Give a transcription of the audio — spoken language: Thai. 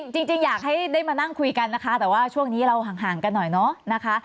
จริงอยากให้ได้มานั่งคุยกันนะคะแต่ว่าช่วงนี้เราห่างกันหน่อยเนาะนะคะ